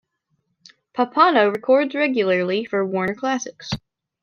Pappano records regularly for Warner Classics.